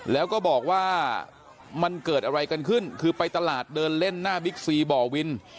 แล้วก็บอกว่ามันเกิดอะไรกันขึ้นคือไปตลาดเดินเล่นหน้าบิ๊กซีบ่อวิน